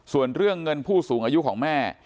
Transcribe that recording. ส่วนเรื่องเงินผู้สูงอายุของแม่